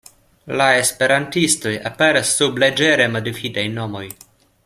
La esperantistoj aperas sub leĝere modifitaj nomoj.